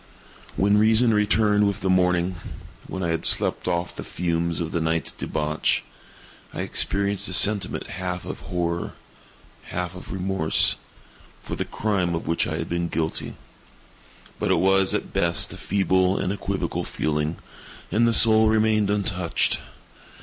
When reason returned with the morning—when I had slept off the fumes of the night's debauch—I experienced a sentiment half of horror, half of remorse, for the crime of which I had been guilty; but it was, at best, a feeble and equivocal feeling, and the soul remained untouched.